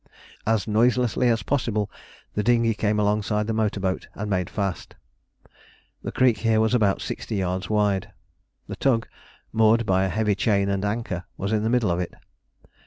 As noiselessly as possible the dinghy came alongside the motor boat and made fast. The creek here was about sixty yards wide. The tug, moored by a heavy chain and anchor, was in the middle of it.